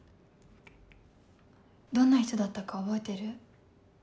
どんな人だったか覚えてる？